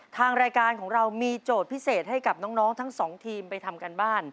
ทางรายการของเรามีโจทย์พิเศษให้กับน้องทั้งสองทีมไปทำการบ้าน